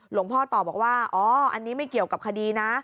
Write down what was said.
พ่อต่อบอกว่าอ๋ออันนี้ไม่เกี่ยวกับคดีนะ